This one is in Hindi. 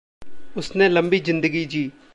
उसने लम्बी ज़िन्दगी जी।